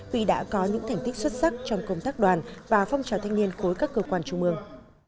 vì đã có những thành tích xuất sắc trong công tác đoàn và phong trào thanh niên khối các cơ quan trung mương